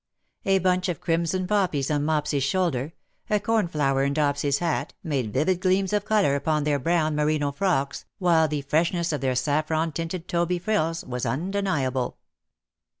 A bunch of crimson poppies on Mopsy's shoulder, a cornflower in Dopsy^s hat, made vivid gleams of colour upon their brown merino frocks, while the freshness of their saffron tinted Toby frills was un 204 deniable.